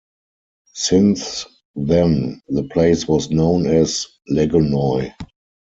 Since then, the place was known as "Lagonoy".